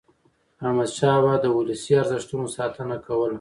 احمدشاه بابا د ولسي ارزښتونو ساتنه کوله.